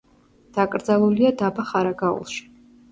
დაკრძალულია დაბა ხარაგაულში.